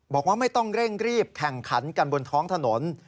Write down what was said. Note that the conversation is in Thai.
บอกว่าไม่ต้องเร่งรีบแข่งขันกันบนท้องถนน